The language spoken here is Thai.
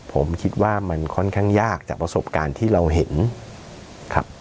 ผมคิดว่ามันค่อนข้างยากจากประสบการณ์ที่เราเห็นครับ